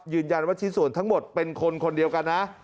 ชิ้นส่วนทั้งหมดเป็นคนคนเดียวกันนะ